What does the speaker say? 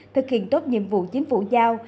thực hiện tốt nhiệm vụ chính phủ giao